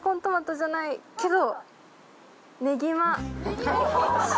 けど。